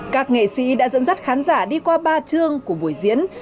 các nghệ sĩ đã dẫn dắt khán giả đi qua ba chương của buổi diễn